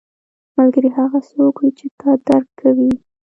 ملګری هغه څوک وي چې تا درک کوي